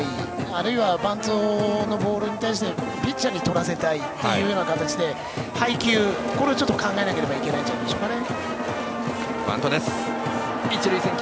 あるいはバントのボールに対してピッチャーにとらせたいというような形で配球をちょっと考えなければいけませんね。